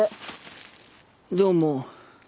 どうも。